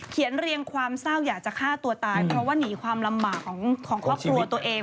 เรียงความเศร้าอยากจะฆ่าตัวตายเพราะว่าหนีความลำบากของครอบครัวตัวเอง